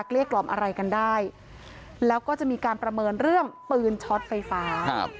เรียกกล่อมอะไรกันได้แล้วก็จะมีการประเมินเรื่องปืนช็อตไฟฟ้าครับ